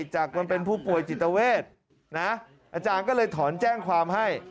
จากมันเป็นผู้ป่วยจิตเวทนะอาจารย์ก็เลยถอนแจ้งความให้